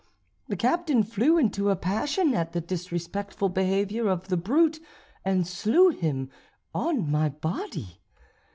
The captain flew into a passion at the disrespectful behaviour of the brute, and slew him on my body.